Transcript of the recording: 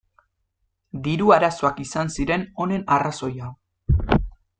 Diru arazoak izan ziren honen arrazoia.